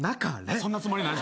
そんなつもりないです